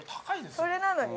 それなのに？